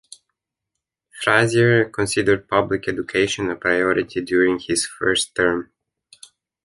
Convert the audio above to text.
Frazier considered public education a priority during his first term.